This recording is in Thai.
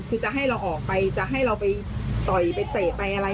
คือจะให้เราออกไปจะให้เราไปต่อยไปเตะไปอะไร